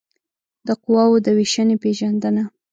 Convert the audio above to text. د قواوو د وېشنې پېژندنه